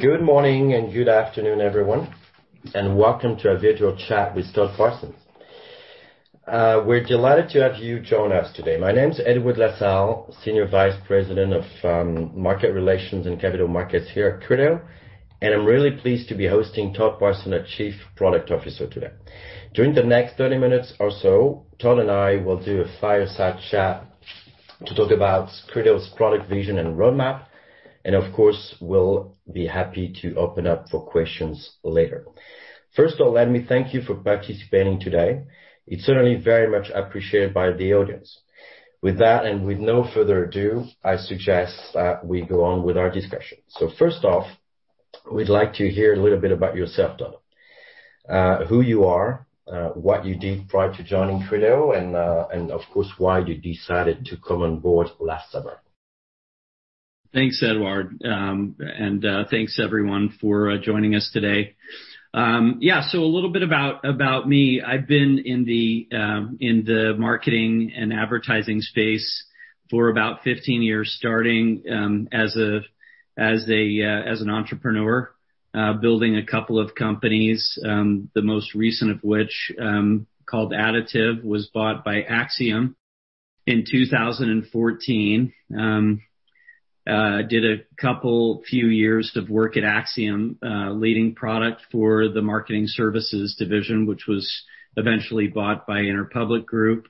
Good morning and good afternoon, everyone, and welcome to our virtual chat with Todd Parsons. We're delighted to have you join us today. My name's Edouard Lassalle, Senior Vice President of Market Relations and Capital Markets here at Criteo, and I'm really pleased to be hosting Todd Parsons as Chief Product Officer today. During the next 30 minutes or so, Todd and I will do a fireside chat to talk about Criteo's product vision and roadmap, and of course, we'll be happy to open up for questions later. First of all, let me thank you for participating today. It's certainly very much appreciated by the audience. With that, and with no further ado, I suggest we go on with our discussion. First off, we'd like to hear a little bit about yourself, Todd, who you are, what you did prior to joining Criteo, and of course, why you decided to come on board last summer. Thanks, Edouard, and thanks everyone for joining us today. Yeah, so a little bit about me. I've been in the marketing and advertising space for about 15 years, starting as an entrepreneur, building a couple of companies, the most recent of which, called Additive, was bought by Axiom in 2014. I did a couple few years of work at Axiom, leading product for the marketing services division, which was eventually bought by Interpublic Group.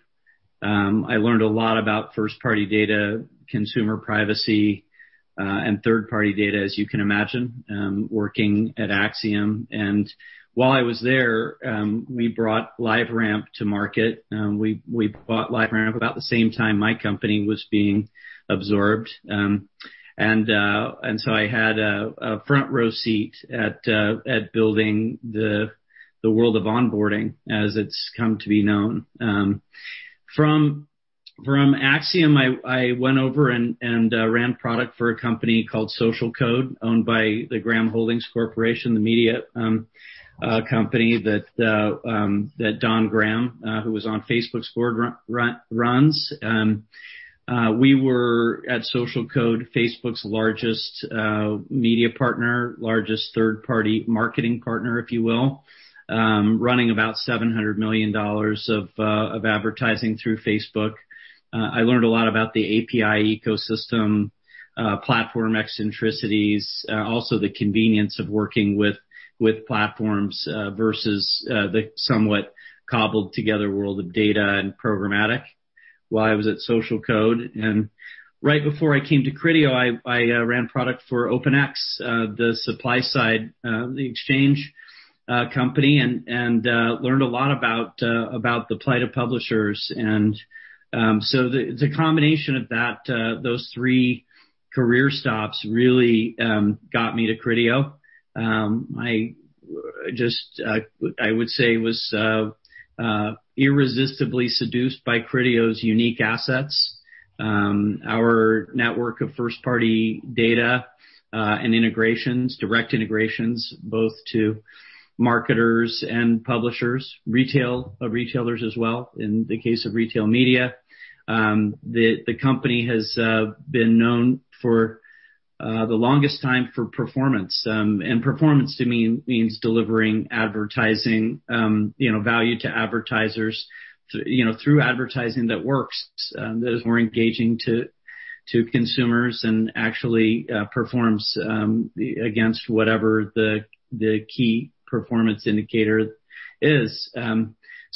I learned a lot about first-party data, consumer privacy, and third-party data, as you can imagine, working at Axiom. While I was there, we brought LiveRamp to market. We bought LiveRamp about the same time my company was being absorbed. I had a front-row seat at building the world of onboarding, as it's come to be known. From Axiom, I went over and ran product for a company called Social Code, owned by the Graham Holdings Corporation, the media company that Don Graham, who is on Facebook's board, runs. We were, at Social Code, Facebook's largest media partner, largest third-party marketing partner, if you will, running about $700 million of advertising through Facebook. I learned a lot about the API ecosystem, platform eccentricities, also the convenience of working with platforms versus the somewhat cobbled-together world of data and programmatic while I was at Social Code. Right before I came to Criteo, I ran product for OpenX, the supply-side exchange company, and learned a lot about the plight of publishers. The combination of those three career stops really got me to Criteo. I would say I was irresistibly seduced by Criteo's unique assets, our network of first-party data and integrations, direct integrations, both to marketers and publishers, retailers as well, in the case of retail media. The company has been known for the longest time for performance, and performance to me means delivering advertising value to advertisers through advertising that works, that is more engaging to consumers and actually performs against whatever the key performance indicator is.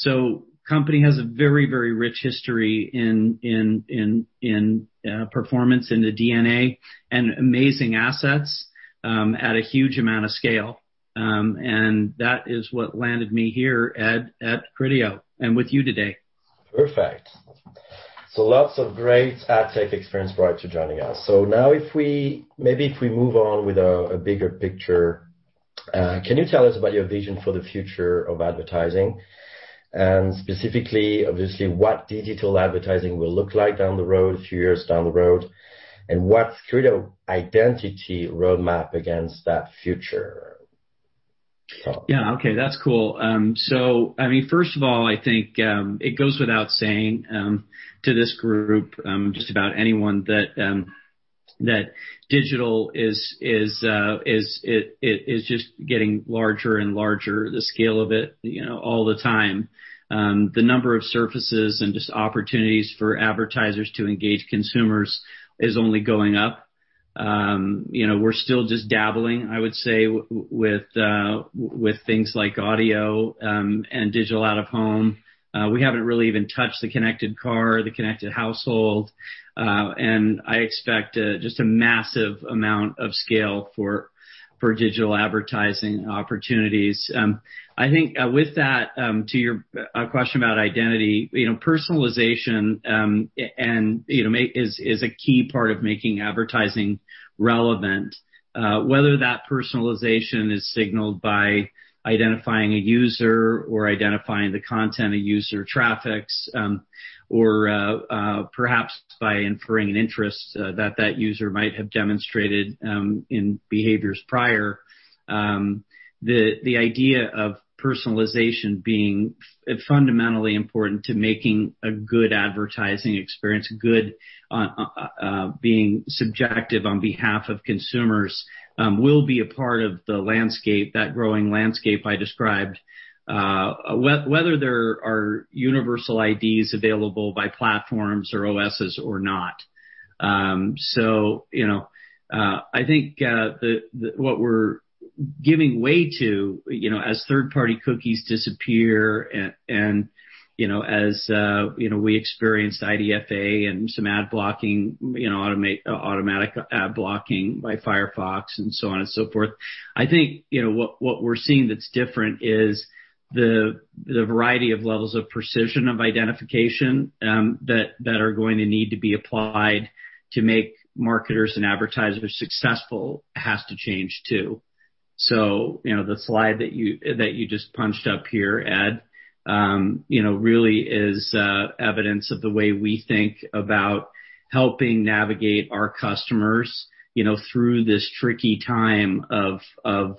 The company has a very, very rich history in performance and the DNA and amazing assets at a huge amount of scale. That is what landed me here at Criteo and with you today. Perfect. Lots of great ad tech experience prior to joining us. Maybe if we move on with a bigger picture, can you tell us about your vision for the future of advertising and specifically, obviously, what digital advertising will look like a few years down the road and what's Criteo's identity roadmap against that future? Yeah, okay, that's cool. I mean, first of all, I think it goes without saying to this group, just about anyone that digital is just getting larger and larger, the scale of it all the time. The number of surfaces and just opportunities for advertisers to engage consumers is only going up. We're still just dabbling, I would say, with things like audio and digital out of home. We haven't really even touched the connected car, the connected household, and I expect just a massive amount of scale for digital advertising opportunities. I think with that, to your question about identity, personalization is a key part of making advertising relevant, whether that personalization is signaled by identifying a user or identifying the content a user traffics or perhaps by inferring an interest that that user might have demonstrated in behaviors prior. The idea of personalization being fundamentally important to making a good advertising experience, good being subjective on behalf of consumers, will be a part of the landscape, that growing landscape I described, whether there are universal IDs available by platforms or OSs or not. I think what we're giving way to, as third-party cookies disappear and as we experienced IDFA and some ad blocking, automatic ad blocking by Firefox and so on and so forth, I think what we're seeing that's different is the variety of levels of precision of identification that are going to need to be applied to make marketers and advertisers successful has to change too. The slide that you just punched up here, Ed, really is evidence of the way we think about helping navigate our customers through this tricky time of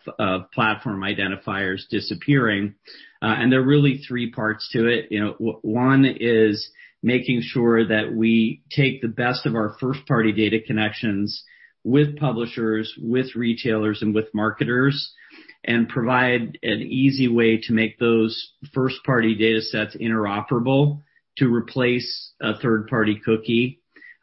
platform identifiers disappearing. There are really three parts to it. One is making sure that we take the best of our first-party data connections with publishers, with retailers, and with marketers and provide an easy way to make those first-party data sets interoperable to replace a third-party cookie.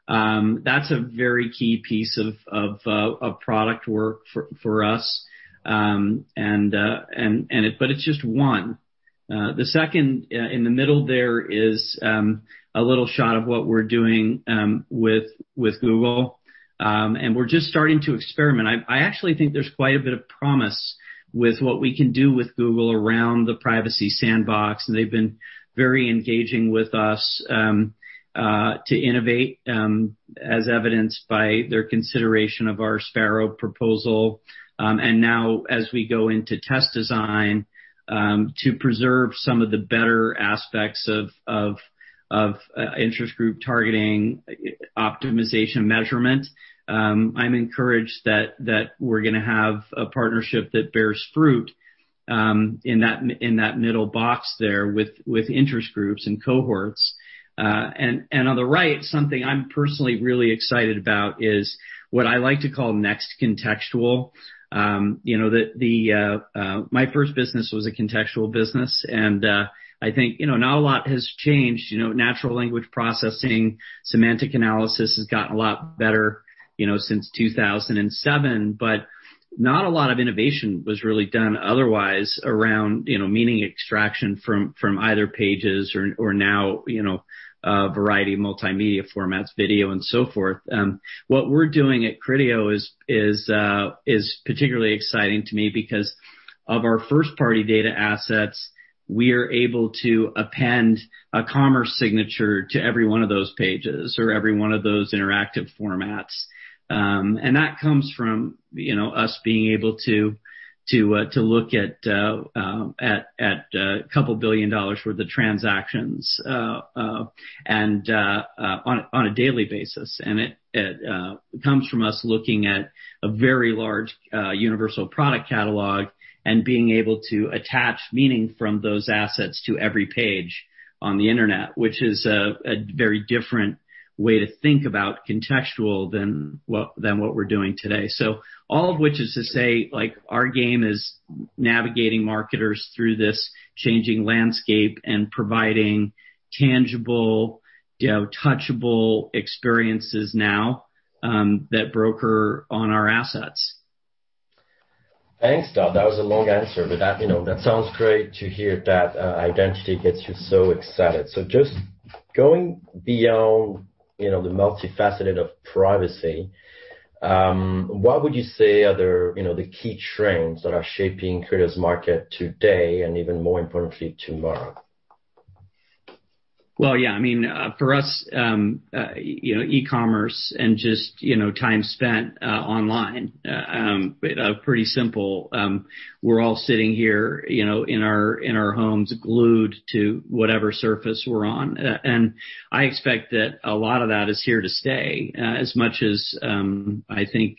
That's a very key piece of product work for us, but it's just one. The second in the middle there is a little shot of what we're doing with Google, and we're just starting to experiment. I actually think there's quite a bit of promise with what we can do with Google around the Privacy Sandbox, and they've been very engaging with us to innovate, as evidenced by their consideration of our Sparrow proposal. As we go into test design to preserve some of the better aspects of interest group targeting optimization measurement, I'm encouraged that we're going to have a partnership that bears fruit in that middle box there with interest groups and cohorts. On the right, something I'm personally really excited about is what I like to call next contextual. My first business was a contextual business, and I think not a lot has changed. Natural language processing, semantic analysis has gotten a lot better since 2007, but not a lot of innovation was really done otherwise around meaning extraction from either pages or now a variety of multimedia formats, video, and so forth. What we're doing at Criteo is particularly exciting to me because of our first-party data assets, we are able to append a commerce signature to every one of those pages or every one of those interactive formats. That comes from us being able to look at a couple billion dollars' worth of transactions on a daily basis. It comes from us looking at a very large universal product catalog and being able to attach meaning from those assets to every page on the internet, which is a very different way to think about contextual than what we're doing today. All of which is to say our game is navigating marketers through this changing landscape and providing tangible, touchable experiences now that broker on our assets. Thanks, Todd. That was a long answer, but that sounds great to hear that identity gets you so excited. Just going beyond the multifaceted of privacy, what would you say are the key trends that are shaping Criteo's market today and even more importantly, tomorrow? Yeah, I mean, for us, E-commerce and just time spent online are pretty simple. We're all sitting here in our homes glued to whatever surface we're on. I expect that a lot of that is here to stay. As much as I think,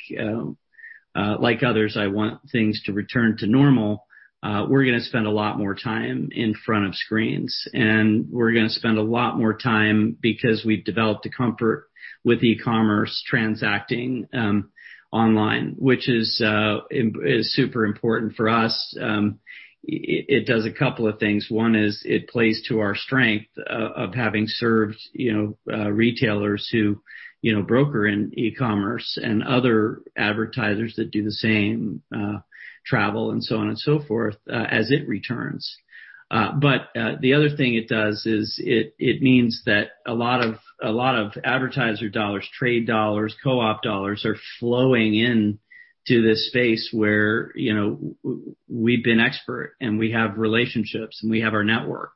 like others, I want things to return to normal, we're going to spend a lot more time in front of screens, and we're going to spend a lot more time because we've developed a comfort with e-commerce transacting online, which is super important for us. It does a couple of things. One is it plays to our strength of having served retailers who broker in E-commerce and other advertisers that do the same, travel and so on and so forth as it returns. The other thing it does is it means that a lot of advertiser dollars, trade dollars, co-op dollars are flowing into this space where we've been expert and we have relationships and we have our network.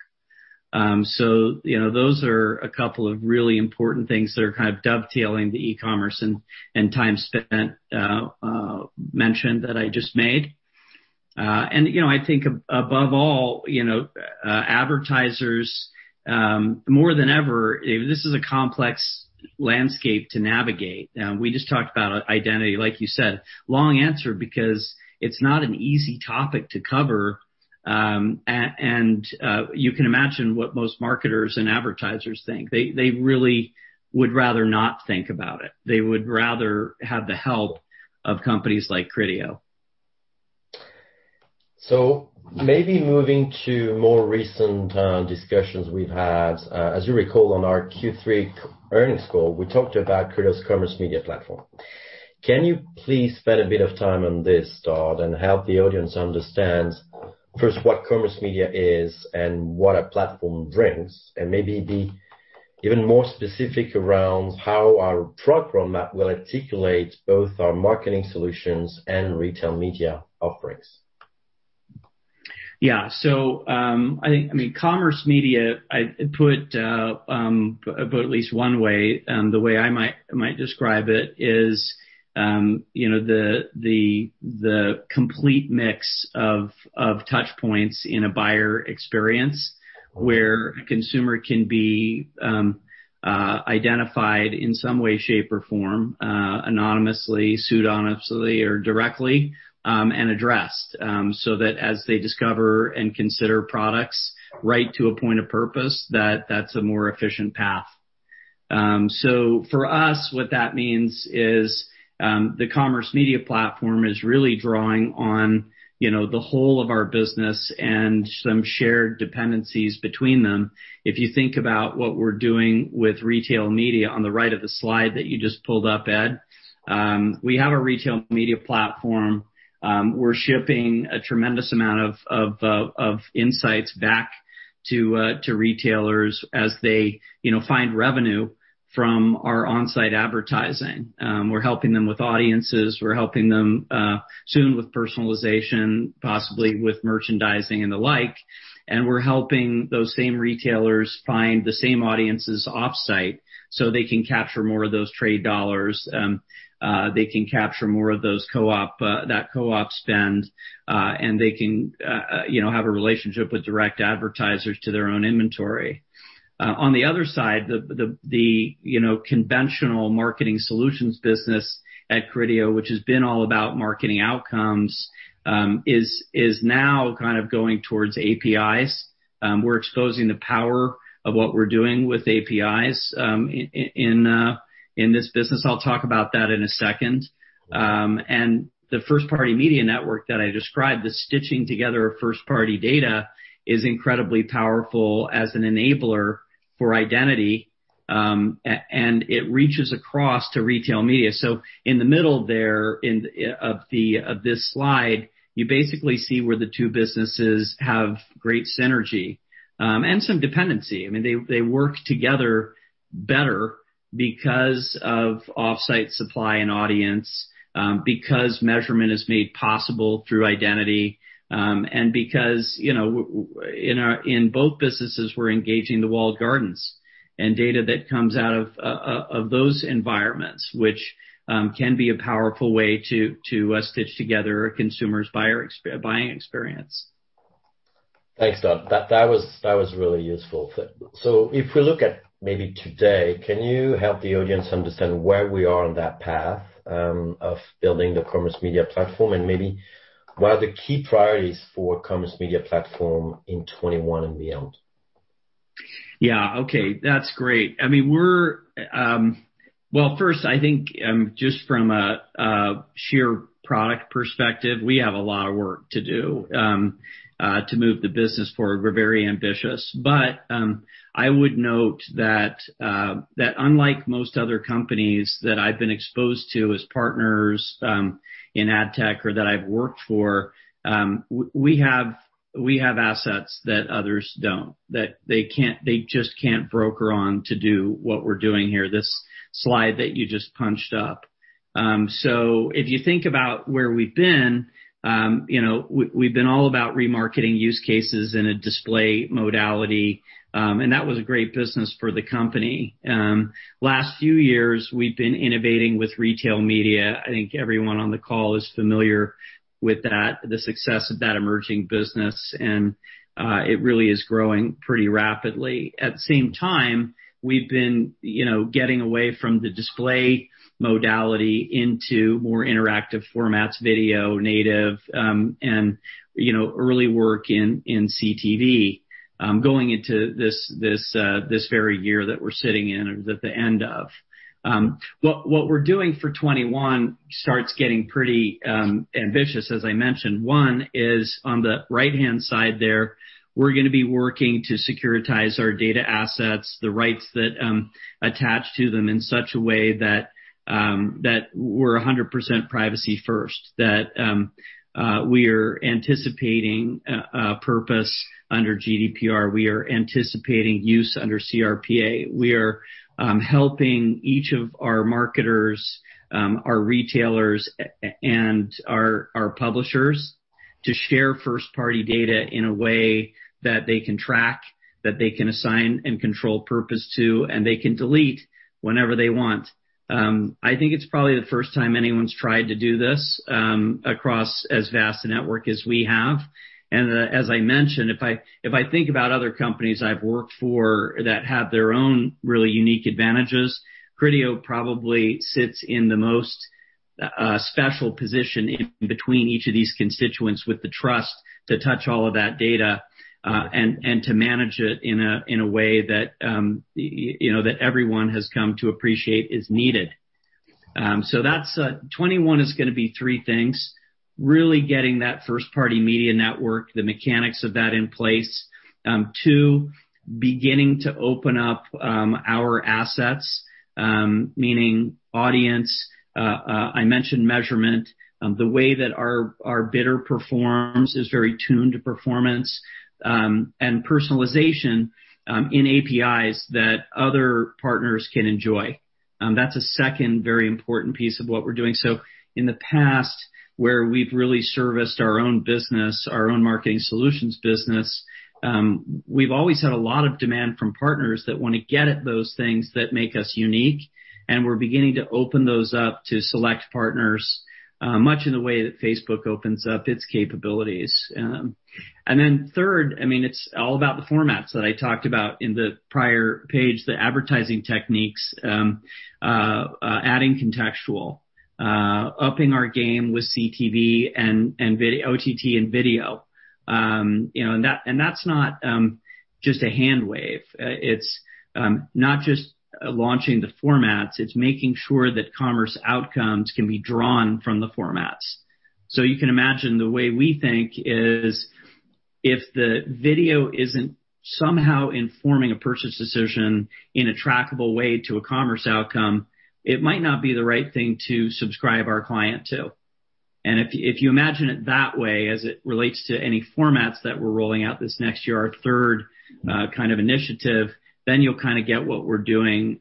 Those are a couple of really important things that are kind of dovetailing the e-commerce and time spent mentioned that I just made. I think above all, advertisers, more than ever, this is a complex landscape to navigate. We just talked about identity, like you said, long answer because it's not an easy topic to cover. You can imagine what most marketers and advertisers think. They really would rather not think about it. They would rather have the help of companies like Criteo. Maybe moving to more recent discussions we've had, as you recall on our Q3 Earnings Call, we talked about Criteo's Commerce Media Platform. Can you please spend a bit of time on this, Todd, and help the audience understand first what commerce media is and what a platform brings and maybe be even more specific around how our product roadmap will articulate both our marketing solutions and retail media offerings? Yeah. I mean, Commerce Media, I'd put at least one way, and the way I might describe it is the complete mix of touchpoints in a buyer experience where a consumer can be identified in some way, shape, or form, anonymously, pseudonymously, or directly and addressed so that as they discover and consider products right to a point of purpose, that that's a more efficient path. For us, what that means is the Commerce Media Platform is really drawing on the whole of our business and some shared dependencies between them. If you think about what we're doing with retail media on the right of the slide that you just pulled up, Ed, we have a retail media platform. We're shipping a tremendous amount of insights back to retailers as they find revenue from our onsite advertising. We're helping them with audiences. We're helping them soon with personalization, possibly with merchandising and the like. We're helping those same retailers find the same audiences offsite so they can capture more of those trade dollars. They can capture more of that co-op spend, and they can have a relationship with direct advertisers to their own inventory. On the other side, the conventional marketing solutions business at Criteo, which has been all about marketing outcomes, is now kind of going towards APIs. We're exposing the power of what we're doing with APIs in this business. I'll talk about that in a second. The first-party media network that I described, the stitching together of first-party data, is incredibly powerful as an enabler for identity, and it reaches across to retail media. In the middle there of this slide, you basically see where the two businesses have great synergy and some dependency. I mean, they work together better because of offsite supply and audience, because measurement is made possible through identity, and because in both businesses, we're engaging the walled gardens and data that comes out of those environments, which can be a powerful way to stitch together a consumer's buying experience. Thanks, Todd. That was really useful. If we look at maybe today, can you help the audience understand where we are on that path of building the Commerce Media Platform and maybe what are the key priorities for Commerce Media Platform in 2021 and beyond? Yeah, okay. That's great. I mean, first, I think just from a sheer product perspective, we have a lot of work to do to move the business forward. We're very ambitious. I would note that unlike most other companies that I've been exposed to as partners in ad tech or that I've worked for, we have assets that others don't, that they just can't broker on to do what we're doing here, this slide that you just punched up. If you think about where we've been, we've been all about remarketing use cases in a display modality, and that was a great business for the company. Last few years, we've been innovating with retail media. I think everyone on the call is familiar with that, the success of that emerging business, and it really is growing pretty rapidly. At the same time, we've been getting away from the display modality into more interactive formats, video, native, and early work in CTV going into this very year that we're sitting in or at the end of. What we're doing for 2021 starts getting pretty ambitious, as I mentioned. One is on the right-hand side there, we're going to be working to securitize our data assets, the rights that attach to them in such a way that we're 100% privacy first, that we are anticipating purpose under GDPR. We are anticipating use under CRPA. We are helping each of our marketers, our retailers, and our publishers to share first-party data in a way that they can track, that they can assign and control purpose to, and they can delete whenever they want. I think it's probably the first time anyone's tried to do this across as vast a network as we have. As I mentioned, if I think about other companies I've worked for that have their own really unique advantages, Criteo probably sits in the most special position in between each of these constituents with the trust to touch all of that data and to manage it in a way that everyone has come to appreciate is needed. 2021 is going to be three things: really getting that first-party media network, the mechanics of that in place; two, beginning to open up our assets, meaning audience. I mentioned measurement. The way that our bidder performs is very tuned to performance and personalization in APIs that other partners can enjoy. That's a second very important piece of what we're doing. In the past, where we've really serviced our own business, our own marketing solutions business, we've always had a lot of demand from partners that want to get at those things that make us unique. We're beginning to open those up to select partners much in the way that Facebook opens up its capabilities. Then third, I mean, it's all about the formats that I talked about in the prior page, the advertising techniques, adding contextual, upping our game with CTV and OTT and video. That's not just a handwave. It's not just launching the formats. It's making sure that commerce outcomes can be drawn from the formats. You can imagine the way we think is if the video isn't somehow informing a purchase decision in a trackable way to a commerce outcome, it might not be the right thing to subscribe our client to. If you imagine it that way as it relates to any formats that we're rolling out this next year, our third kind of initiative, then you'll kind of get what we're doing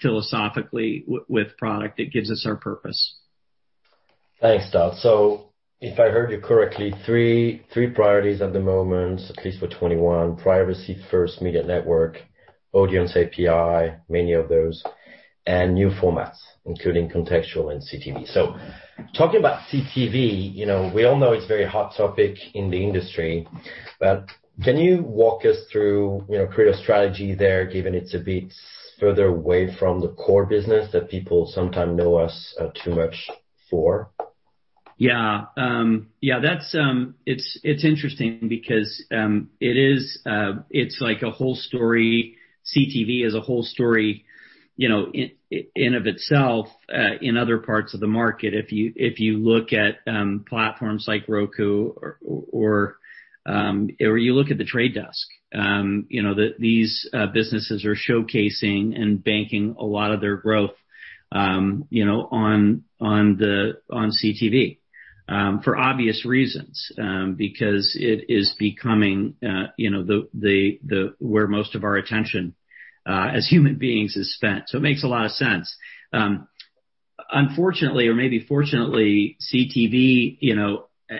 philosophically with product that gives us our purpose. Thanks, Todd. If I heard you correctly, three priorities at the moment, at least for 2021: privacy-first media network, audience API, many of those, and new formats, including contextual and CTV. Talking about CTV, we all know it's a very hot topic in the industry. Can you walk us through Criteo's strategy there, given it's a bit further away from the core business that people sometimes know us too much for? Yeah. Yeah. It's interesting because it's like a whole story. CTV is a whole story in and of itself in other parts of the market. If you look at platforms like Roku or you look at The Trade Desk, these businesses are showcasing and banking a lot of their growth on CTV for obvious reasons because it is becoming where most of our attention as human beings is spent. It makes a lot of sense. Unfortunately, or maybe fortunately, CTV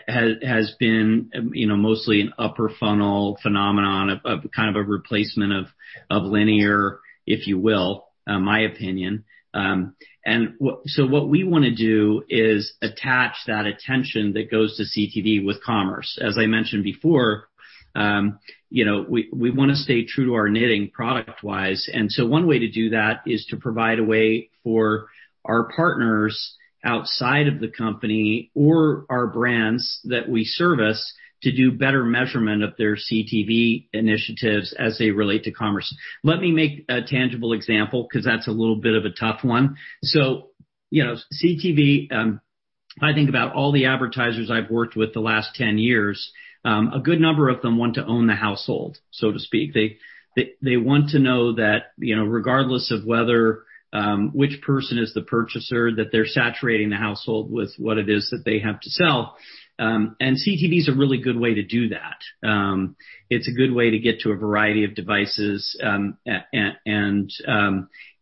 has been mostly an upper-funnel phenomenon, kind of a replacement of linear, if you will, my opinion. What we want to do is attach that attention that goes to CTV with commerce. As I mentioned before, we want to stay true to our knitting product-wise. One way to do that is to provide a way for our partners outside of the company or our brands that we service to do better measurement of their CTV initiatives as they relate to commerce. Let me make a tangible example because that's a little bit of a tough one. CTV, if I think about all the advertisers I've worked with the last 10 years, a good number of them want to own the household, so to speak. They want to know that regardless of which person is the purchaser, that they're saturating the household with what it is that they have to sell. CTV is a really good way to do that. It's a good way to get to a variety of devices and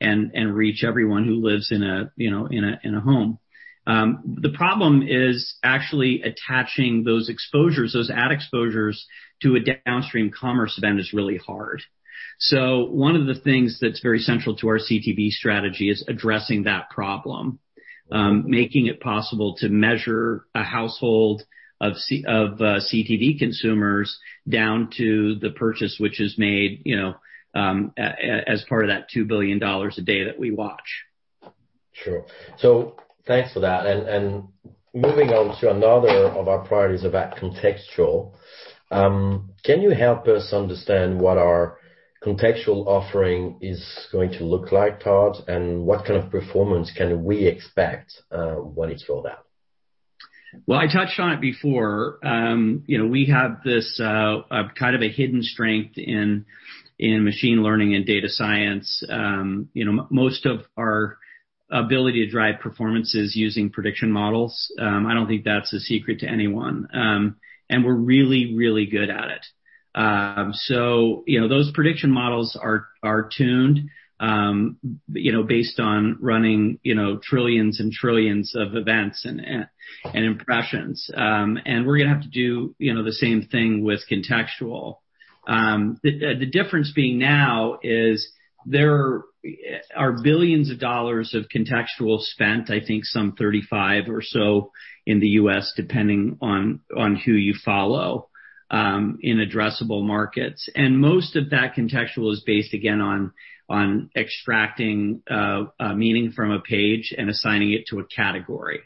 reach everyone who lives in a home. The problem is actually attaching those exposures, those ad exposures to a downstream commerce event is really hard. One of the things that's very central to our CTV strategy is addressing that problem, making it possible to measure a household of CTV consumers down to the purchase which is made as part of that $2 billion a day that we watch. Sure. Thanks for that. Moving on to another of our priorities about contextual, can you help us understand what our contextual offering is going to look like, Todd, and what kind of performance can we expect when it's rolled out? I touched on it before. We have this kind of a hidden strength in machine learning and data science. Most of our ability to drive performance is using prediction models. I don't think that's a secret to anyone. We're really, really good at it. Those prediction models are tuned based on running trillions and trillions of events and impressions. We're going to have to do the same thing with contextual. The difference being now is there are billions of dollars of contextual spent, I think some $35 billion or so in the U.S., depending on who you follow in addressable markets. Most of that contextual is based, again, on extracting meaning from a page and assigning it to a category,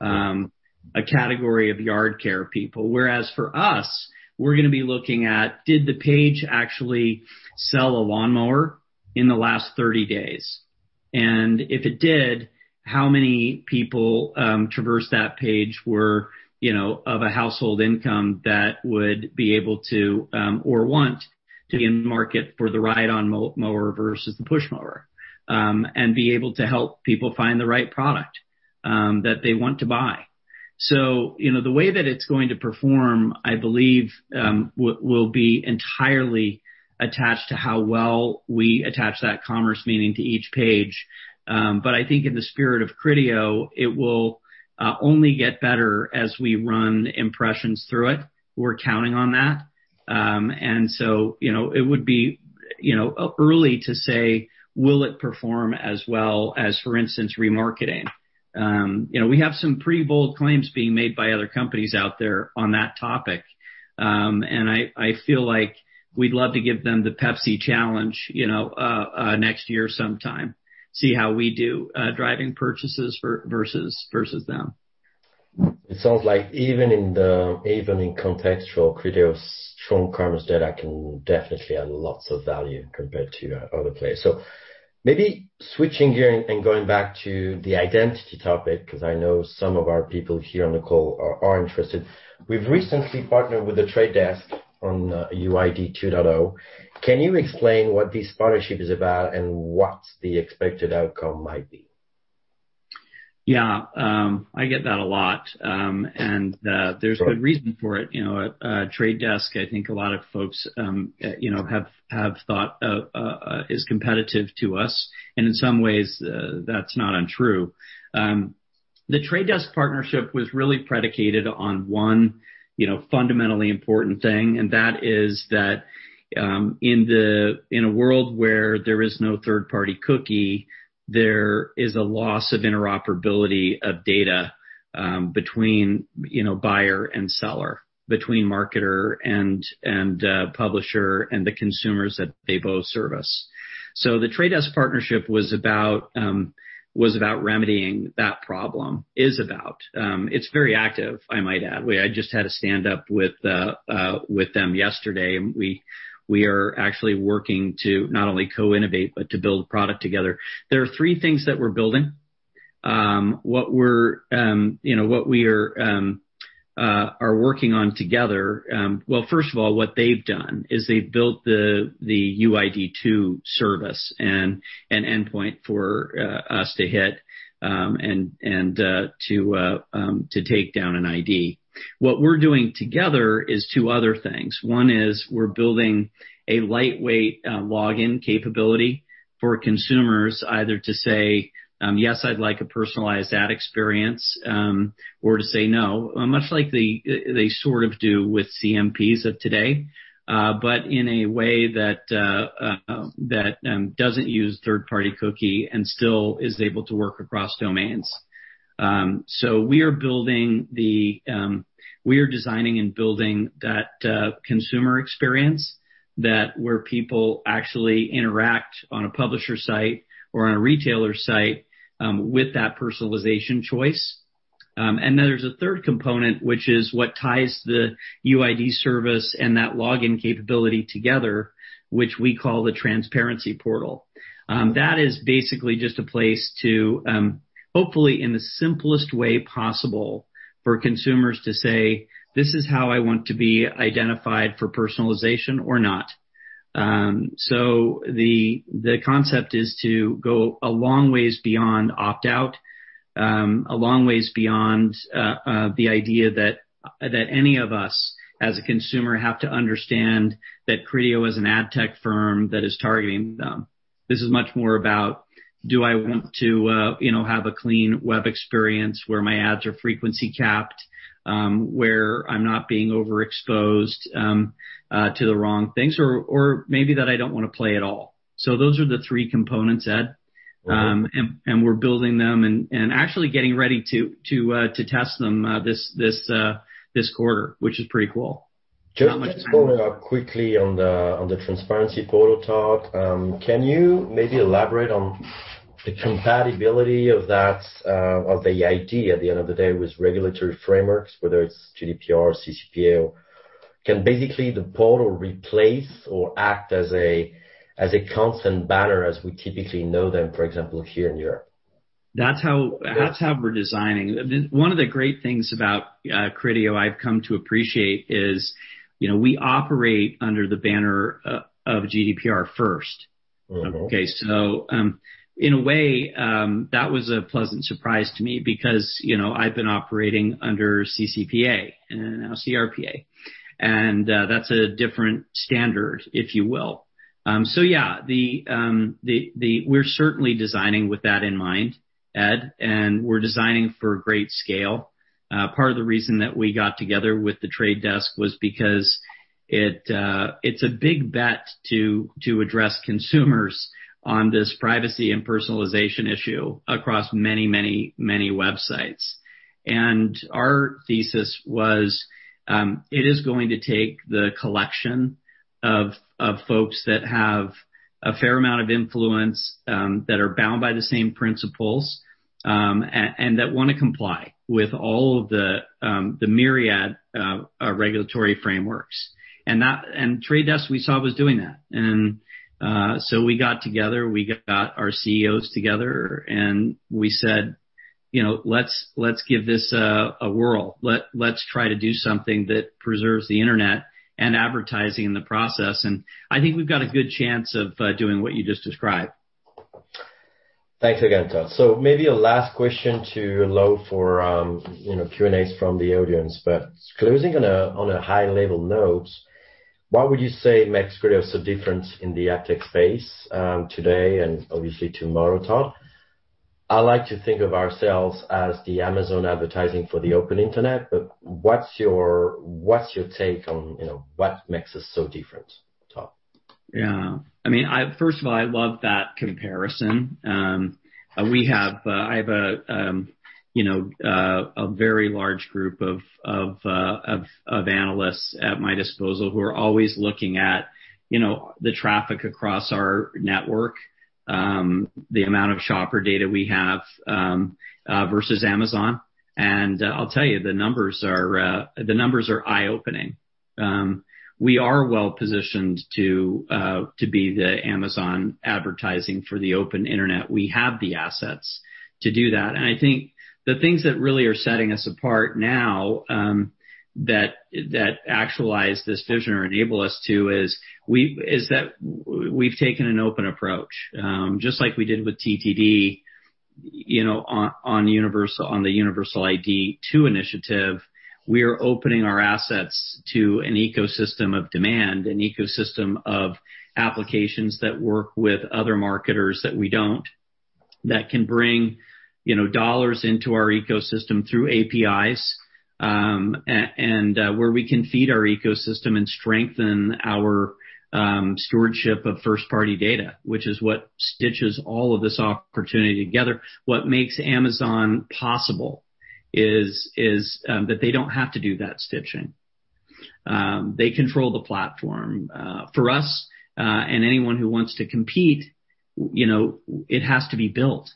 a category of yard care people. Whereas for us, we're going to be looking at, did the page actually sell a lawnmower in the last 30 days? If it did, how many people traversed that page were of a household income that would be able to or want to be in the market for the ride-on mower versus the push mower and be able to help people find the right product that they want to buy? The way that it's going to perform, I believe, will be entirely attached to how well we attach that commerce meaning to each page. I think in the spirit of Criteo, it will only get better as we run impressions through it. We're counting on that. It would be early to say, will it perform as well as, for instance, remarketing? We have some pretty bold claims being made by other companies out there on that topic. I feel like we'd love to give them the Pepsi challenge next year sometime, see how we do driving purchases versus them. It sounds like even in the contextual Criteo strong commerce data, I can definitely add lots of value compared to other players. Maybe switching gear and going back to the identity topic because I know some of our people here on the call are interested. We've recently partnered with The Trade Desk on UID 2.0. Can you explain what the sponsorship is about and what the expected outcome might be? Yeah. I get that a lot. And there's good reason for it. The Trade Desk, I think a lot of folks have thought is competitive to us. In some ways, that's not untrue. The Trade Desk partnership was really predicated on one fundamentally important thing. That is that in a world where there is no third-party cookie, there is a loss of interoperability of data between buyer and seller, between marketer and publisher and the consumers that they both service. The Trade Desk partnership was about remedying that problem, is about. It's very active, I might add. We just had a stand-up with them yesterday. We are actually working to not only co-innovate but to build product together. There are three things that we're building. What we are working on together, first of all, what they've done is they've built the UID 2.0 service and endpoint for us to hit and to take down an ID. What we're doing together is two other things. One is we're building a lightweight login capability for consumers either to say, "Yes, I'd like a personalized ad experience," or to say, "No," much like they sort of do with CMPs of today, but in a way that doesn't use third-party cookie and still is able to work across domains. We are designing and building that consumer experience where people actually interact on a publisher site or on a retailer site with that personalization choice. There is a third component, which is what ties the UID service and that login capability together, which we call the transparency portal. That is basically just a place to, hopefully in the simplest way possible for consumers to say, "This is how I want to be identified for personalization or not." The concept is to go a long ways beyond opt-out, a long ways beyond the idea that any of us as a consumer have to understand that Criteo is an ad tech firm that is targeting them. This is much more about, do I want to have a clean web experience where my ads are frequency capped, where I'm not being overexposed to the wrong things, or maybe that I don't want to play at all. Those are the three components, Ed. We're building them and actually getting ready to test them this quarter, which is pretty cool. Just following up quickly on the transparency portal, Todd, can you maybe elaborate on the compatibility of the idea at the end of the day with regulatory frameworks, whether it's GDPR, CCPA? Can basically the portal replace or act as a consent banner as we typically know them, for example, here in Europe? That's how we're designing. One of the great things about Criteo I've come to appreciate is we operate under the banner of GDPR first. Okay. In a way, that was a pleasant surprise to me because I've been operating under CCPA and now CRPA. That's a different standard, if you will. Yeah, we're certainly designing with that in mind, Ed. We're designing for great scale. Part of the reason that we got together with The Trade Desk was because it's a big bet to address consumers on this privacy and personalization issue across many, many, many websites. Our thesis was it is going to take the collection of folks that have a fair amount of influence, that are bound by the same principles, and that want to comply with all of the Myriad Regulatory Frameworks. The Trade Desk, we saw, was doing that. We got together. We got our CEOs together. We said, "Let's give this a whirl. Let's try to do something that preserves the internet and advertising in the process." I think we've got a good chance of doing what you just described. Thanks again, Todd. Maybe a last question to allow for Q&As from the audience. Closing on a high-level note, what would you say makes Criteo so different in the ad tech space today and obviously tomorrow, Todd? I like to think of ourselves as the Amazon advertising for the open internet. What's your take on what makes us so different, Todd? Yeah. I mean, first of all, I love that comparison. I have a very large group of analysts at my disposal who are always looking at the traffic across our network, the amount of shopper data we have versus Amazon. I'll tell you, the numbers are eye-opening. We are well-positioned to be the Amazon advertising for the open internet. We have the assets to do that. I think the things that really are setting us apart now that actualize this vision or enable us to is that we've taken an open approach. Just like we did with TTD on the Universal ID 2.0 initiative, we are opening our assets to an ecosystem of demand, an ecosystem of applications that work with other marketers that we do not, that can bring dollars into our ecosystem through APIs and where we can feed our ecosystem and strengthen our stewardship of first-party data, which is what stitches all of this opportunity together. What makes Amazon possible is that they do not have to do that stitching. They control the platform. For us and anyone who wants to compete, it has to be built.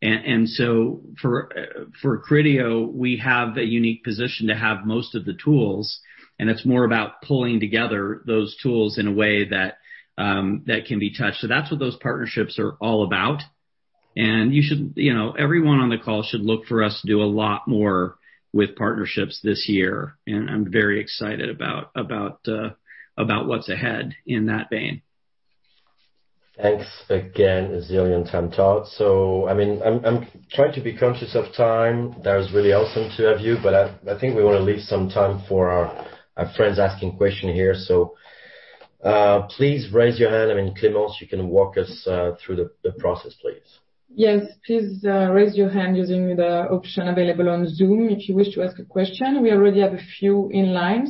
For Criteo, we have a unique position to have most of the tools. It is more about pulling together those tools in a way that can be touched. That is what those partnerships are all about. Everyone on the call should look for us to do a lot more with partnerships this year. I am very excited about what is ahead in that vein. Thanks again a zillion times, Todd. I mean, I'm trying to be conscious of time. That was really awesome to have you. I think we want to leave some time for our friends asking questions here. Please raise your hand. Clémence, you can walk us through the process, please. Yes. Please raise your hand using the option available on Zoom if you wish to ask a question. We already have a few in line.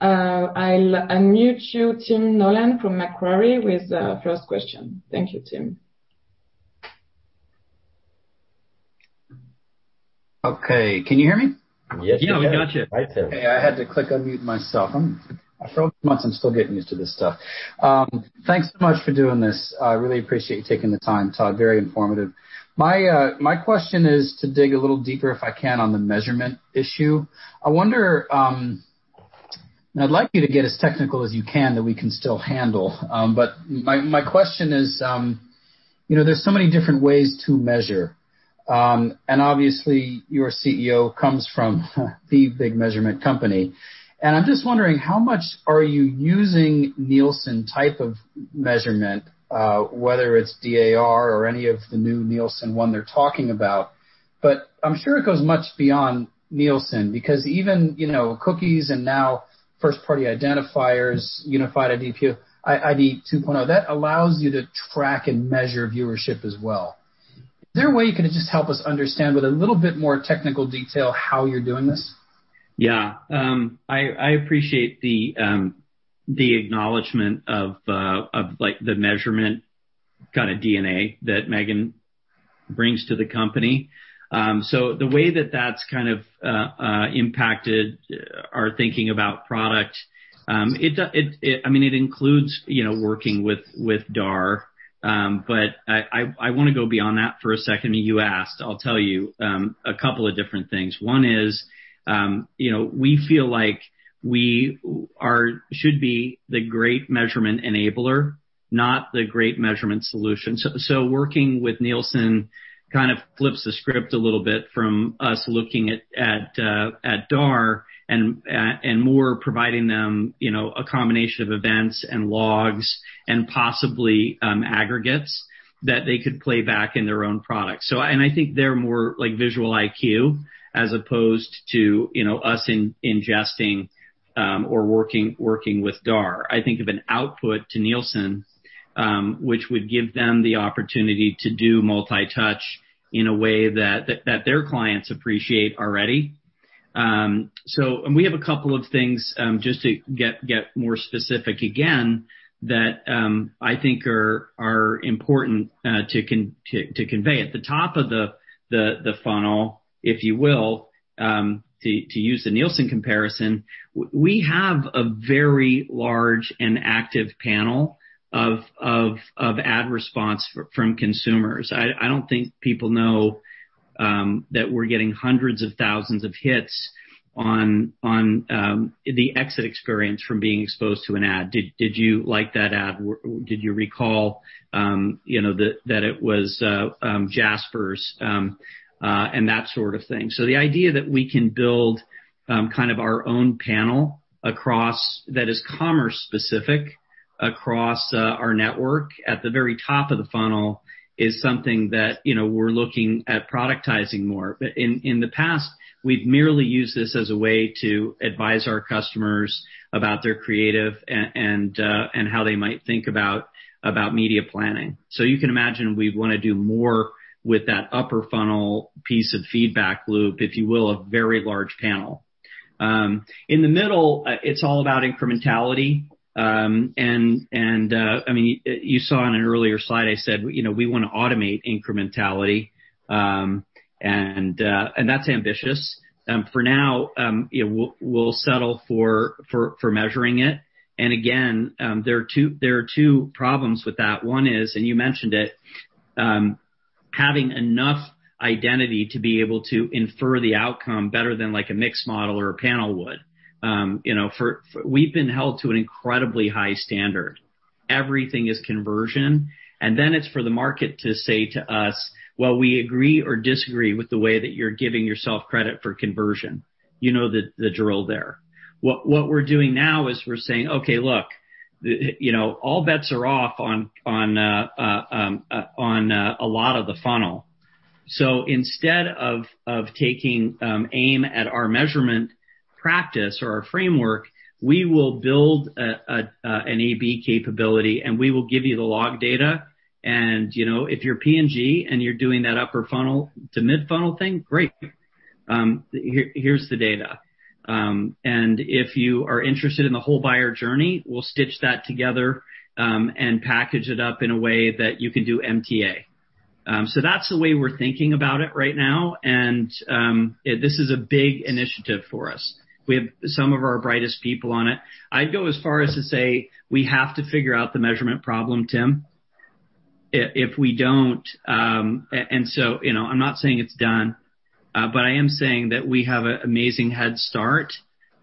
I will unmute you, Tim Nolan from Macquarie, with the first question. Thank you, Tim. Okay. Can you hear me? Yeah, we got you. Right there. Hey, I had to click unmute myself. For a couple of months, I'm still getting used to this stuff. Thanks so much for doing this. I really appreciate you taking the time, Todd. Very informative. My question is to dig a little deeper, if I can, on the measurement issue. I wonder—I would like you to get as technical as you can that we can still handle—but my question is there are so many different ways to measure. Obviously, your CEO comes from the big measurement company. I'm just wondering, how much are you using Nielsen type of measurement, whether it's DAR or any of the new Nielsen one they're talking about? I'm sure it goes much beyond Nielsen because even cookies and now first-party identifiers, Unified ID 2.0, that allows you to track and measure viewership as well. Is there a way you could just help us understand with a little bit more technical detail how you're doing this? Yeah. I appreciate the acknowledgment of the measurement kind of DNA that Megan brings to the company. The way that that's kind of impacted our thinking about product, I mean, it includes working with DAR. I want to go beyond that for a second. You asked, I'll tell you a couple of different things. One is we feel like we should be the great measurement enabler, not the great measurement solution. Working with Nielsen kind of flips the script a little bit from us looking at DAR and more providing them a combination of events and logs and possibly aggregates that they could play back in their own products. I think they're more like Visual IQ as opposed to us ingesting or working with DAR. I think of an output to Nielsen, which would give them the opportunity to do multi-touch in a way that their clients appreciate already. We have a couple of things just to get more specific again that I think are important to convey. At the top of the funnel, if you will, to use the Nielsen comparison, we have a very large and active panel of ad response from consumers. I do not think people know that we are getting hundreds of thousands of hits on the exit experience from being exposed to an ad. Did you like that ad? Did you recall that it was Jasper's and that sort of thing? The idea that we can build kind of our own panel that is commerce-specific across our network at the very top of the funnel is something that we are looking at productizing more. In the past, we've merely used this as a way to advise our customers about their creative and how they might think about media planning. You can imagine we want to do more with that upper funnel piece of feedback loop, if you will, a very large panel. In the middle, it's all about incrementality. I mean, you saw on an earlier slide I said we want to automate incrementality. That's ambitious. For now, we'll settle for measuring it. Again, there are two problems with that. One is, you mentioned it, having enough identity to be able to infer the outcome better than a mixed model or a panel would. We've been held to an incredibly high standard. Everything is conversion. It is for the market to say to us, "Well, we agree or disagree with the way that you're giving yourself credit for conversion." You know the drill there. What we're doing now is we're saying, "Okay, look, all bets are off on a lot of the funnel." Instead of taking aim at our measurement practice or our framework, we will build an A/B capability. We will give you the log data. If you're P&G and you're doing that upper funnel to mid-funnel thing, great. Here's the data. If you are interested in the whole buyer journey, we'll stitch that together and package it up in a way that you can do MTA. That is the way we're thinking about it right now. This is a big initiative for us. We have some of our brightest people on it. I'd go as far as to say we have to figure out the measurement problem, Tim. If we don't, I'm not saying it's done. I am saying that we have an amazing head start.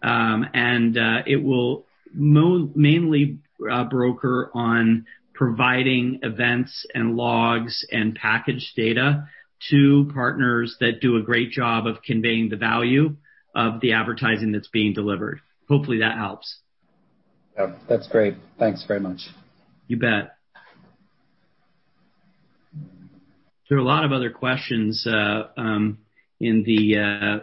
It will mainly broker on providing events and logs and package data to partners that do a great job of conveying the value of the advertising that's being delivered. Hopefully, that helps. Yeah. That's great. Thanks very much. You bet. There are a lot of other questions in the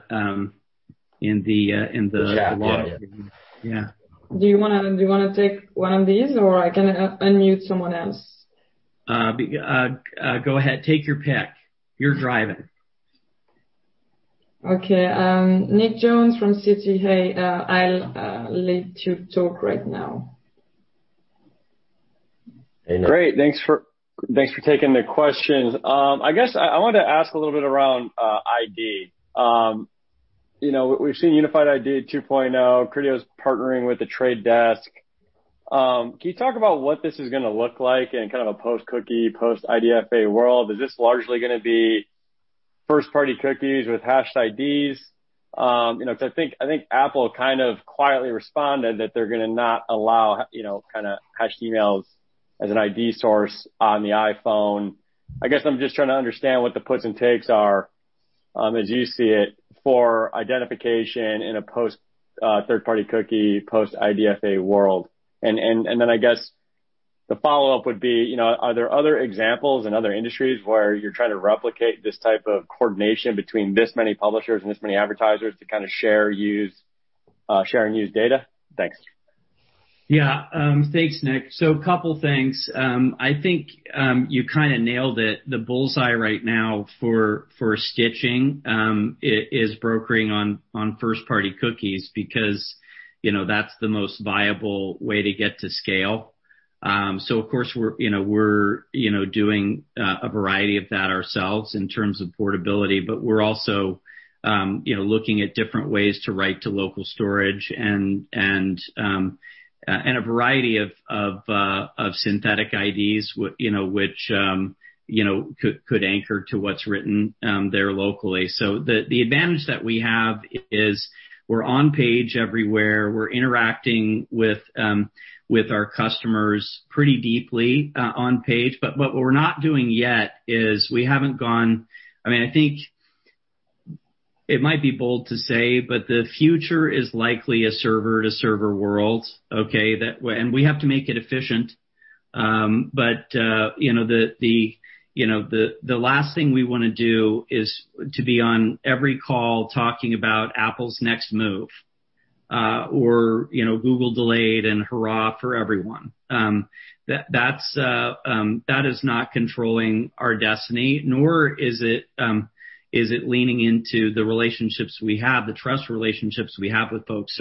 log. In chat area. Yeah. Do you want to take one of these, or I can unmute someone else? Go ahead. Take your pick. You're driving. Okay. Nick Jones from Citi, hey, I'll let you talk right now. Hey, Nick. Great. Thanks for taking the questions. I guess I wanted to ask a little bit around ID. We've seen Unified ID 2.0. Criteo is partnering with The Trade Desk. Can you talk about what this is going to look like in kind of a post-cookie, post-IDFA world? Is this largely going to be first-party cookies with hashed IDs? Because I think Apple kind of quietly responded that they're going to not allow kind of hashed emails as an ID source on the iPhone. I guess I'm just trying to understand what the puts and takes are, as you see it, for identification in a post-third-party cookie, post-IDFA world. I guess the follow-up would be, are there other examples in other industries where you're trying to replicate this type of coordination between this many publishers and this many advertisers to kind of share and use data? Thanks. Yeah. Thanks, Nick. A couple of things. I think you kind of nailed it. The bull's eye right now for stitching is brokering on first-party cookies because that's the most viable way to get to scale. Of course, we're doing a variety of that ourselves in terms of portability. We're also looking at different ways to write to local storage and a variety of synthetic IDs, which could anchor to what's written there locally. The advantage that we have is we're on page everywhere. We're interacting with our customers pretty deeply on page. What we're not doing yet is we haven't gone—I mean, I think it might be bold to say, but the future is likely a server-to-server world, okay? We have to make it efficient. The last thing we want to do is to be on every call talking about Apple's next move or Google delayed and hurrah for everyone. That is not controlling our destiny, nor is it leaning into the relationships we have, the trust relationships we have with folks.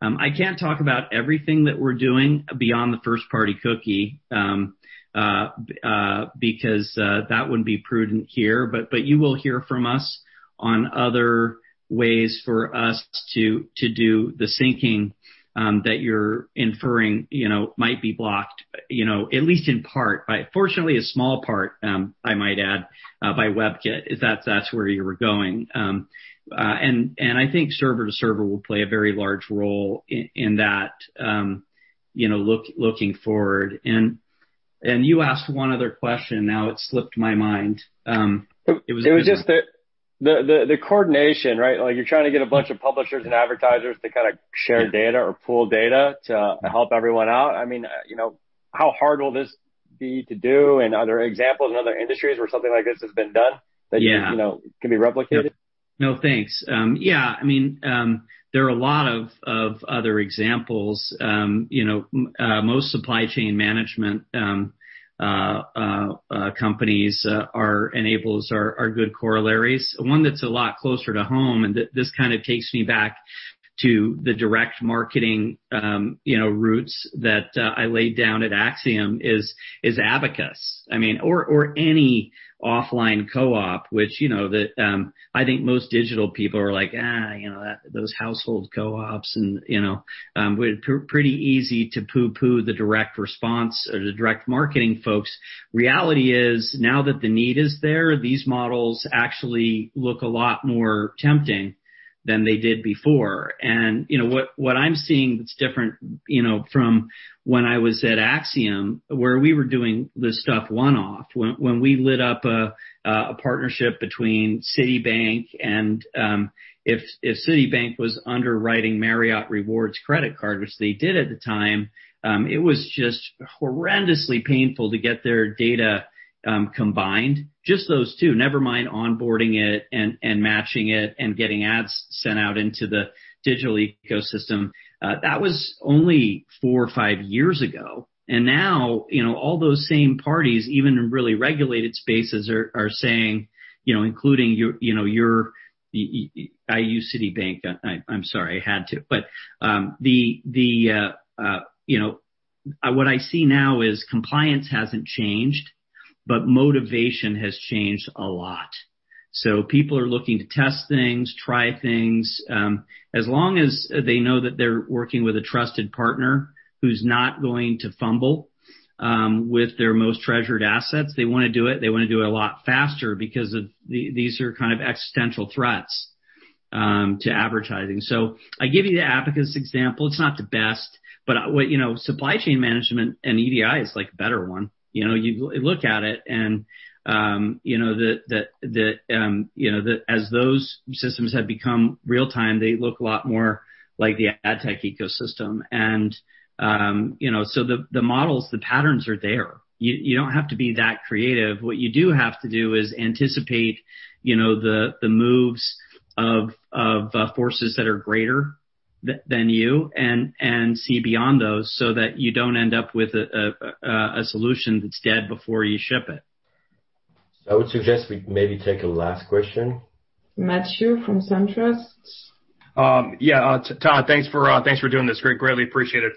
I can't talk about everything that we're doing beyond the first-party cookie because that wouldn't be prudent here. You will hear from us on other ways for us to do the syncing that you're inferring might be blocked, at least in part, but fortunately, a small part, I might add, by WebKit, if that's where you were going. I think server-to-server will play a very large role in that looking forward. You asked one other question. Now it slipped my mind. It was just the coordination, right? You're trying to get a bunch of publishers and advertisers to kind of share data or pool data to help everyone out. I mean, how hard will this be to do? Are there examples in other industries where something like this has been done that can be replicated? Yeah. No, thanks. Yeah. I mean, there are a lot of other examples. Most supply chain management companies are enablers, are good corollaries. One that's a lot closer to home, and this kind of takes me back to the direct marketing routes that I laid down at Axiom, is Abacus. I mean, or any offline co-op, which I think most digital people are like, those household co-ops. And we're pretty easy to pooh-pooh the direct response or the direct marketing folks. Reality is, now that the need is there, these models actually look a lot more tempting than they did before. What I'm seeing that's different from when I was at Axiom, where we were doing this stuff one-off, when we lit up a partnership between Citibank and if Citibank was underwriting Marriott Rewards credit card, which they did at the time, it was just horrendously painful to get their data combined. Just those two, never mind onboarding it and matching it and getting ads sent out into the digital ecosystem. That was only four or five years ago. Now all those same parties, even in really regulated spaces, are saying, including your—I use Citibank. I'm sorry, I had to. What I see now is compliance hasn't changed, but motivation has changed a lot. People are looking to test things, try things. As long as they know that they're working with a trusted partner who's not going to fumble with their most treasured assets, they want to do it. They want to do it a lot faster because these are kind of existential threats to advertising. I give you the Abacus example. It's not the best. Supply chain management and EDI is like a better one. You look at it. As those systems have become real-time, they look a lot more like the ad tech ecosystem. The models, the patterns are there. You don't have to be that creative. What you do have to do is anticipate the moves of forces that are greater than you and see beyond those so that you don't end up with a solution that's dead before you ship it. I would suggest we maybe take a last question. Matthew from SunTrust. Yeah. Todd, thanks for doing this. Greatly appreciate it.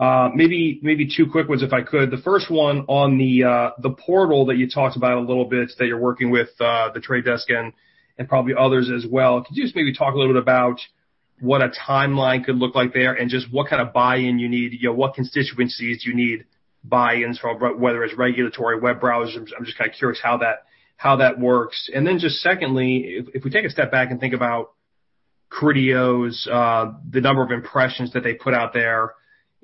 Maybe two quick ones if I could. The first one on the portal that you talked about a little bit that you're working with The Trade Desk and probably others as well. Could you just maybe talk a little bit about what a timeline could look like there and just what kind of buy-in you need? What constituencies do you need buy-ins from, whether it's regulatory, web browsers? I'm just kind of curious how that works. Secondly, if we take a step back and think about Criteo's, the number of impressions that they put out there,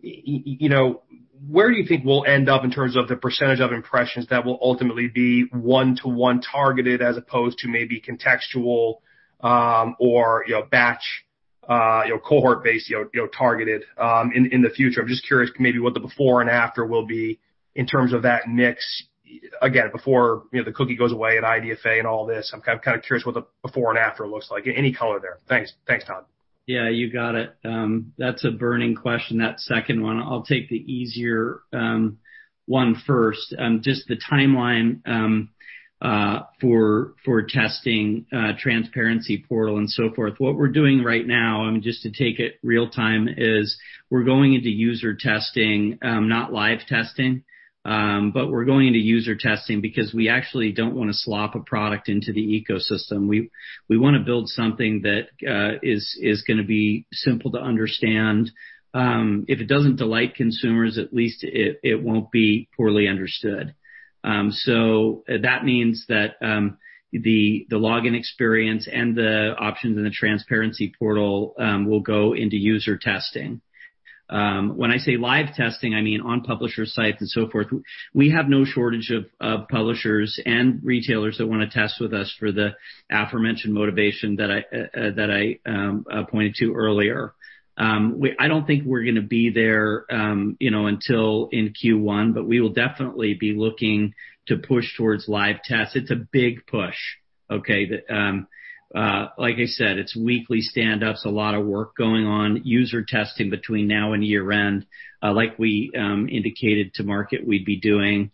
where do you think we'll end up in terms of the percentage of impressions that will ultimately be one-to-one targeted as opposed to maybe contextual or batch cohort-based targeted in the future? I'm just curious maybe what the before and after will be in terms of that mix. Again, before the cookie goes away and IDFA and all this, I'm kind of curious what the before and after looks like, any color there. Thanks. Thanks, Todd. Yeah. You got it. That's a burning question, that second one. I'll take the easier one first. Just the timeline for testing, transparency portal, and so forth. What we're doing right now, I mean, just to take it real-time, is we're going into user testing, not live testing. We are going into user testing because we actually do not want to slop a product into the ecosystem. We want to build something that is going to be simple to understand. If it does not delight consumers, at least it will not be poorly understood. That means that the login experience and the options in the transparency portal will go into user testing. When I say live testing, I mean on publisher sites and so forth. We have no shortage of publishers and retailers that want to test with us for the aforementioned motivation that I pointed to earlier. I don't think we're going to be there until in Q1, but we will definitely be looking to push towards live tests. It's a big push, okay? Like I said, it's weekly stand-ups, a lot of work going on, user testing between now and year-end, like we indicated to market we'd be doing.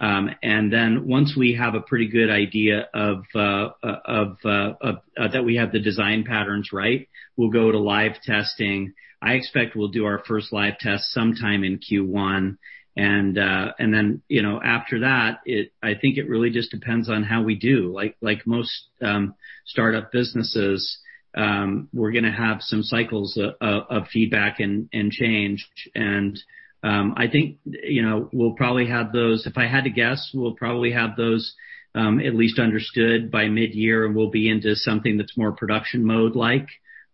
Once we have a pretty good idea that we have the design patterns right, we'll go to live testing. I expect we'll do our first live test sometime in Q1. After that, I think it really just depends on how we do. Like most startup businesses, we're going to have some cycles of feedback and change. I think we'll probably have those—if I had to guess, we'll probably have those at least understood by mid-year. We'll be into something that's more production mode-like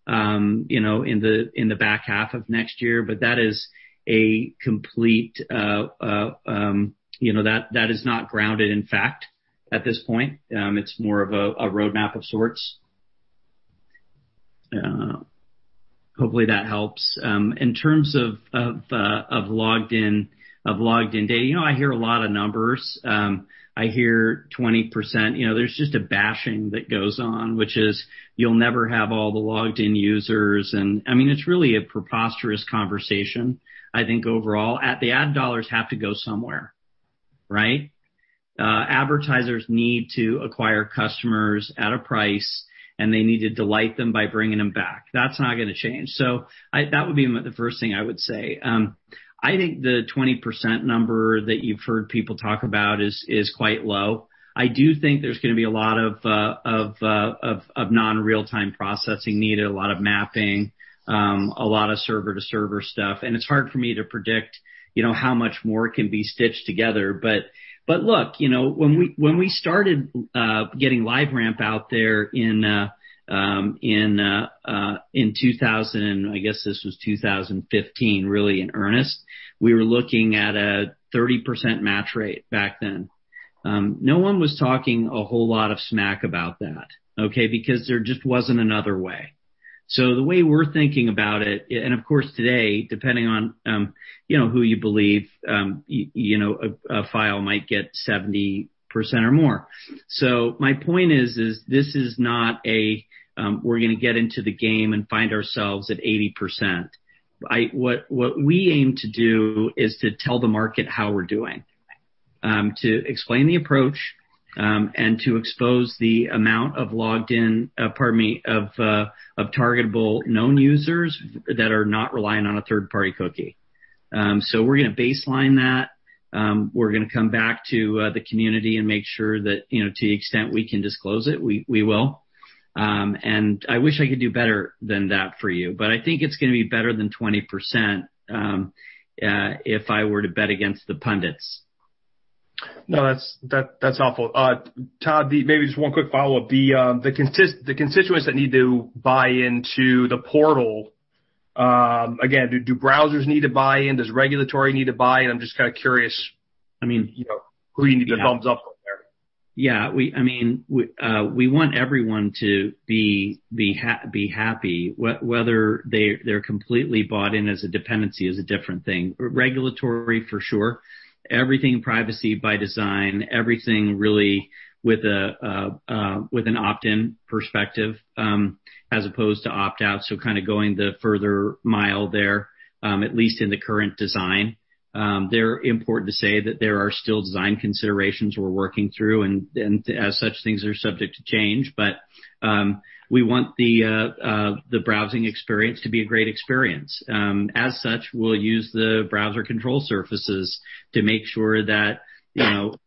in the back half of next year. That is a complete—that is not grounded in fact at this point. It's more of a roadmap of sorts. Hopefully, that helps. In terms of logged-in data, I hear a lot of numbers. I hear 20%. There's just a bashing that goes on, which is you'll never have all the logged-in users. I mean, it's really a preposterous conversation, I think, overall. The ad dollars have to go somewhere, right? Advertisers need to acquire customers at a price, and they need to delight them by bringing them back. That's not going to change. That would be the first thing I would say. I think the 20% number that you've heard people talk about is quite low. I do think there's going to be a lot of non-real-time processing needed, a lot of mapping, a lot of server-to-server stuff. It is hard for me to predict how much more can be stitched together. Look, when we started getting LiveRamp out there in 2015, really, in earnest, we were looking at a 30% match rate back then. No one was talking a whole lot of smack about that, okay? There just was not another way. The way we are thinking about it—of course, today, depending on who you believe, a file might get 70% or more. My point is, this is not a, "We are going to get into the game and find ourselves at 80%." What we aim to do is to tell the market how we are doing, to explain the approach, and to expose the amount of logged-in—pardon me—of targetable known users that are not relying on a third-party cookie. We are going to baseline that. We're going to come back to the community and make sure that to the extent we can disclose it, we will. I wish I could do better than that for you. I think it's going to be better than 20% if I were to bet against the pundits. No, that's helpful. Todd, maybe just one quick follow-up. The constituents that need to buy into the portal, again, do browsers need to buy in? Does regulatory need to buy in? I'm just kind of curious, I mean, who you need to get thumbs up on there. Yeah. I mean, we want everyone to be happy, whether they're completely bought in as a dependency is a different thing. Regulatory, for sure. Everything privacy by design, everything really with an opt-in perspective as opposed to opt-out. Kind of going the further mile there, at least in the current design. It's important to say that there are still design considerations we're working through. As such, things are subject to change. We want the browsing experience to be a great experience. As such, we'll use the browser control surfaces to make sure that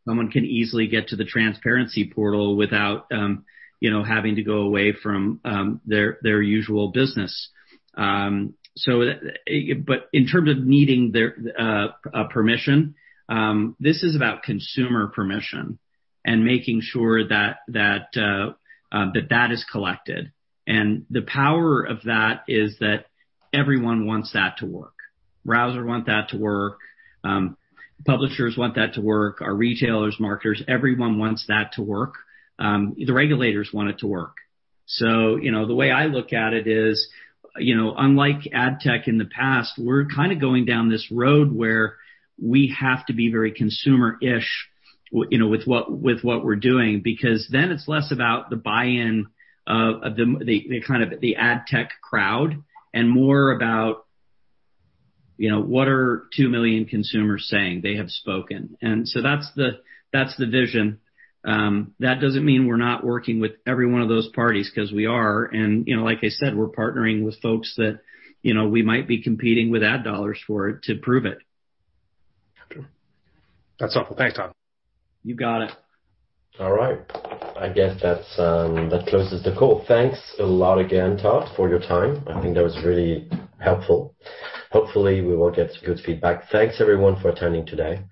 someone can easily get to the transparency portal without having to go away from their usual business. In terms of needing permission, this is about consumer permission and making sure that that is collected. The power of that is that everyone wants that to work. Browsers want that to work. Publishers want that to work. Our retailers, marketers, everyone wants that to work. The regulators want it to work. The way I look at it is, unlike ad tech in the past, we're kind of going down this road where we have to be very consumer-ish with what we're doing because then it's less about the buy-in of the kind of the ad tech crowd and more about what are two million consumers saying. They have spoken. That's the vision. That doesn't mean we're not working with every one of those parties because we are. Like I said, we're partnering with folks that we might be competing with ad dollars for to prove it. Gotcha. That's helpful. Thanks, Todd. You got it. All right. I guess that closes the call. Thanks a lot again, Todd, for your time. I think that was really helpful. Hopefully, we will get good feedback. Thanks, everyone, for attending today.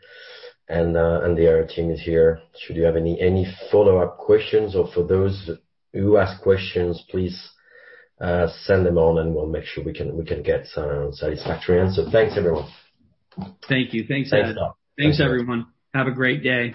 The team is here. Should you have any follow-up questions or for those who ask questions, please send them on, and we'll make sure we can get a satisfactory answer. Thanks, everyone. Thank you. Thanks, Adam. Thanks, everyone. Have a great day.